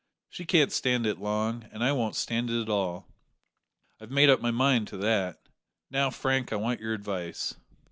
She can't stand it long, and I won't stand it at all! I've made up my mind to that. Now, Frank, I want your advice."